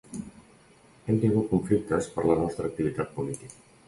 Hem tingut conflictes per la nostra activitat política.